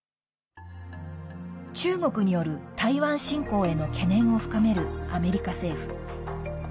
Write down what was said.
中国による台湾侵攻への懸念を深めるアメリカ政府。